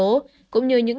cũng như những người đàn ông